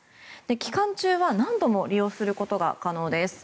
期間中は何度も利用がすることが可能です。